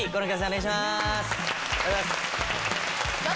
お願いします。